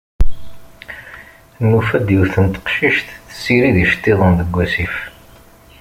Nufa yiwet n teqcict tessirid iceṭṭiḍen deg wasif.